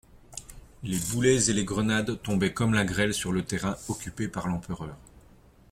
Les boulets et les grenades tombaient comme la grêle sur le terrain occupé par l'empereur.